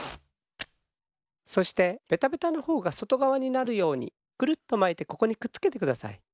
そしてベタベタのほうがそとがわになるようにくるっとまいてここにくっつけてください。